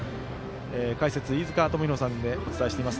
解説、飯塚智広さんでお伝えしています。